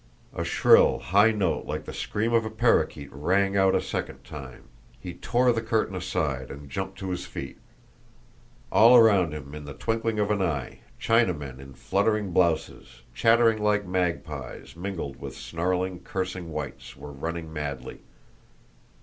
A shrill, high note, like the scream of a parrakeet, rang out a second time. He tore the curtain aside, and jumped to his feet. All around him, in the twinkling of an eye, Chinamen in fluttering blouses, chattering like magpies, mingled with snarling, cursing whites, were running madly.